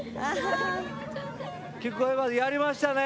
聞こえまやりましたね。